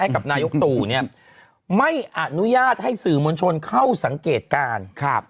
กับนายกตู่เนี่ยไม่อนุญาตให้สื่อมวลชนเข้าสังเกตการณ์